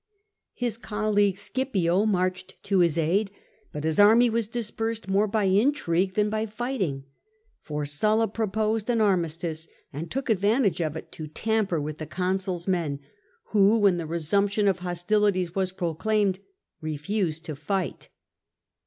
His colleague Scipio marched to his aid, but his army was dispersed more by intrigue than by fighting. For Sulla proposed an armistice, and took advantage of it to tamper with the consuFs men, who, when the resumption of hostilities was proclaimed, re fused to fight.